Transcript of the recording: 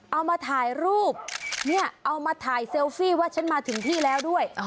เอามาถ่ายรูปเนี่ยเอามาถ่ายเซลฟี่ว่าฉันมาถึงที่แล้วด้วย